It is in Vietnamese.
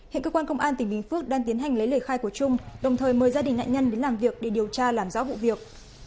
hiện cơ quan công an tỉnh bình phước đang tiến hành lấy lời khai của trung đồng thời mời gia đình nạn nhân đến làm việc để điều tra làm rõ vụ việc